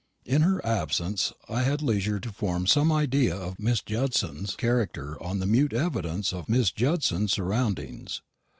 In her absence I had leisure to form some idea of Miss Judson's character on the mute evidence of Miss Judson's surroundings.